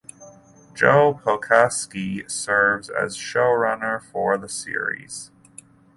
Joe Pokaski serves as showrunner for the series.